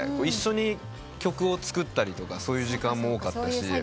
一緒に曲を作ったりとかそういう時間も多かったし。